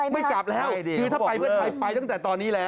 ไม่กลับแล้วคือถ้าไปเพื่อไทยไปตั้งแต่ตอนนี้แล้ว